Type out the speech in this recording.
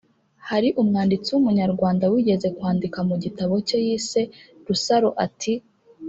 Hari umwanditsi w’Umunyarwanda wigeze kwandika mu gitabo cye yise Rusaro ati